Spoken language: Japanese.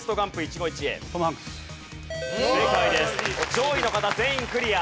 上位の方全員クリア。